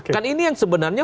kan ini yang sebenarnya